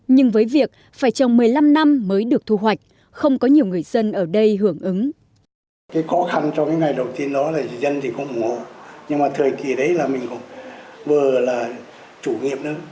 nhưng với việc phải trồng một mươi năm năm mới được thu hoạch không có nhiều người dân ở đây hưởng ứng